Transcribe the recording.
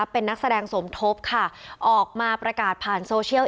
เป็นนักแสดงสมทบค่ะออกมาประกาศผ่านโซเชียล